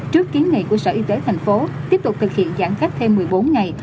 trước kiến nghị của sở y tế thành phố tiếp tục thực hiện giãn cách thêm một mươi bốn ngày